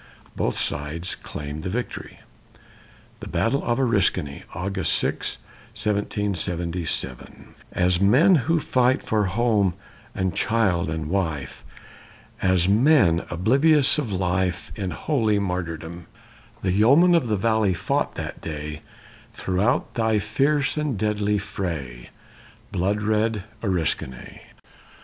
Both sides claimed the victory. THE BATTLE OF ORISKANY [August 6, 1777] As men who fight for home and child and wife, As men oblivious of life In holy martyrdom, The yeomen of the valley fought that day, Throughout thy fierce and deadly fray, Blood red Oriskany.